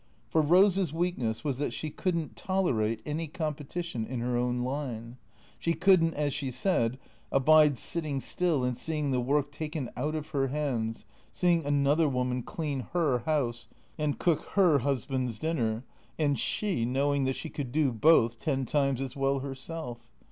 For Eose's weakness was that she could n't tolerate any competition in her own line. She could n't, as she said, abide sitting still and seeing the work taken out of her hands, seeing another woman clean her house, and cook her husband's dinner, and she knowing that she could do both ten times as well herself.